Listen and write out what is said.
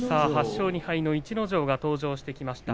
８勝２敗の逸ノ城が登場してきました